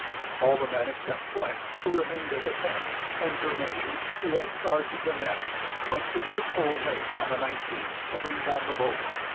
All the men except Flett, who remained at the tents, and Germain, who had charge of the nets, went to North Pole Lake on the 19th to bring down the boat.